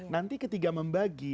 nanti ketika membagi